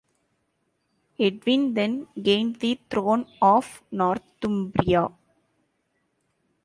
Edwin then gained the throne of Northumbria.